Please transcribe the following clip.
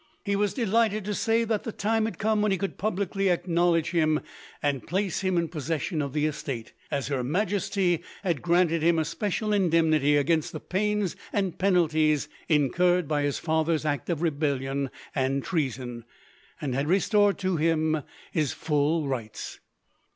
He was delighted to say that the time had come when he could publicly acknowledge him, and place him in possession of the estate, as Her Majesty had granted him a special indemnity against the pains and penalties incurred by his father's act of rebellion and treason, and had restored to him his full rights.